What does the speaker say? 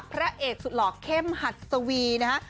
พระเอกสุดหล่อเข้มหัดสวีนะฮะ